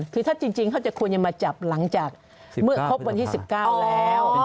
คือถ้าจริงเขาจะควรจะมาจับหลังจากเมื่อครบวันที่๑๙แล้ว